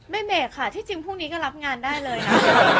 เบรกค่ะที่จริงพรุ่งนี้ก็รับงานได้เลยนะ